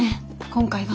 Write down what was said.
今回は。